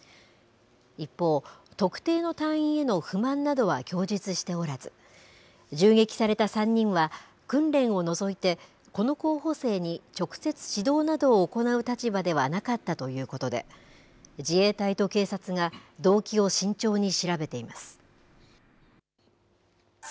一方、特定の隊員への不満などは供述しておらず、銃撃された３人は、訓練を除いて、この候補生に直接指導などを行う立場ではなかったということで、自衛隊と警察が、動機を慎重に調べています。